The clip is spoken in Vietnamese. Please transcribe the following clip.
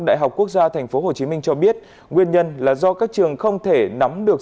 đại học quốc gia tp hcm cho biết nguyên nhân là do các trường không thể nắm được